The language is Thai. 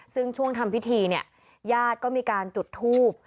ซึ่งช่วงทำพิธีเนี่ยญาติก็มีการจุดทูบ